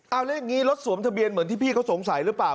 เอาแล้วอย่างนี้รถสวมทะเบียนเหมือนที่พี่เขาสงสัยหรือเปล่า